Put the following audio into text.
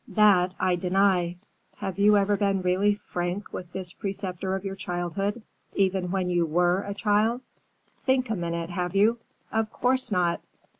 "That I deny. Have you ever been really frank with this preceptor of your childhood, even when you were a child? Think a minute, have you? Of course not!